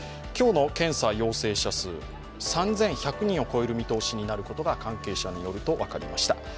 今日の検査陽性者数、３１００人を超える見通しになることが関係者によると分かりました。